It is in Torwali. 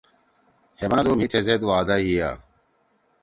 ہے بنَدُو مھی تھیزید وعدہ ہیا۔